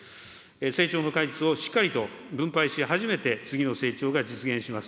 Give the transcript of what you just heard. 成長の果実をしっかりと分配し、初めて次の成長が実現します。